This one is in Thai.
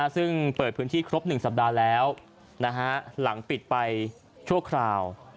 ซึ่งเปิดพื้นที่ครบ๑สัปดาห์แล้วหลังปิดไปชั่วคราว